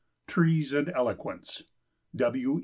TREES AND ELOQUENCE. W.